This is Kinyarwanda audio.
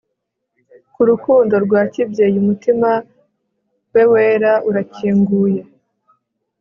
ku rukundo rwa kibyeyi umutima we wera urakinguye